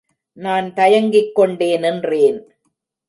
நான் தயங்கிக் கொண்டே நின்றேன்.